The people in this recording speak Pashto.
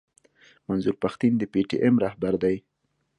منظور پښتين د پي ټي ايم راهبر دی.